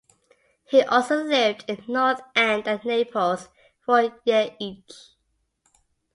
He also lived in the North End and Naples for a year each.